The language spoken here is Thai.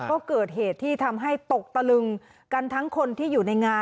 ก็เกิดเหตุที่ทำให้ตกตะลึงกันทั้งคนที่อยู่ในงาน